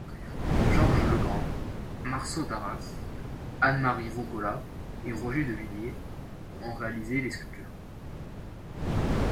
Georges Legrand, Marceau Darras, Anne-Marie Roux-Colas et Roger de Villiers ont réalisé les sculptures.